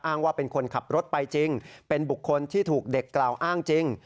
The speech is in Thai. ว่าเป็นคนขับรถไปจริงเป็นบุคคลที่ถูกเด็กกล่าวอ้างจริง